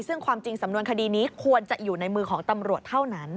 ซึ่งความจริงสำนวนคดีนี้ควรจะอยู่ในมือของตำรวจเท่านั้น